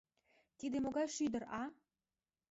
Тиде могай шӱдыр, а?